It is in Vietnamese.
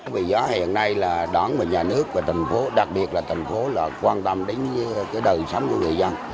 vì gió hiện nay là đón một nhà nước và thành phố đặc biệt là thành phố là quan tâm đến cái đời sống của người dân